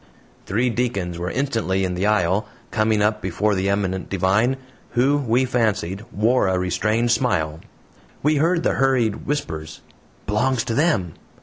Three deacons were instantly in the aisle, coming up before the eminent divine, who, we fancied, wore a restrained smile. We heard the hurried whispers: "Belongs to them."